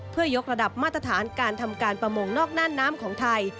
เพื่อยกระดับมาตรฐานการทำการประมงนอกน่านน้ำของไทย